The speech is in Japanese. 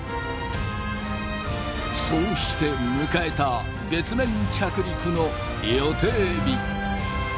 そうして迎えた月面着陸の予定日。